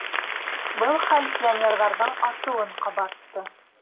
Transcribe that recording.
Был хәл пионерҙарҙың асыуын ҡабартты.